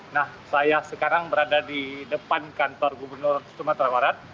nah saya sekarang berada di depan kantor gubernur sumatera barat